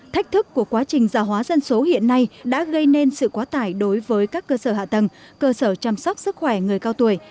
thách thức của quá trình gia hóa dân số hiện nay đã gây nên sự quá tải đối với các cơ sở hạ tầng cơ sở chăm sóc sức khỏe người cao tuổi